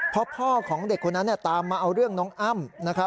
เพราะพ่อของเด็กคนนั้นตามมาเอาเรื่องน้องอ้ำ